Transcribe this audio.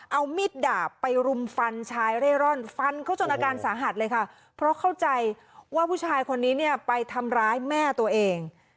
เอามีดดาบไปรุมฟันชายเร่ร่อนฟันเขาจนอาการสาหัสเลยค่ะเพราะเข้าใจว่าผู้ชายคนนี้เนี่ยไปทำร้ายแม่ตัวเอง